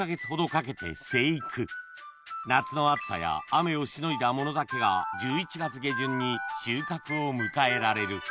夏の暑さや雨をしのいだものだけが１１月下旬に収穫を迎えられる